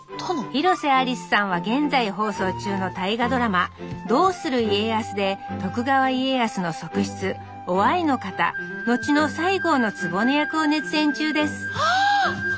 広瀬アリスさんは現在放送中の大河ドラマ「どうする家康」で徳川家康の側室於愛の方後の西郷の局役を熱演中ですああ！